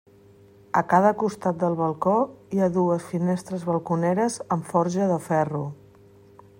A cada costat del balcó, hi ha dues finestres balconeres amb forja de ferro.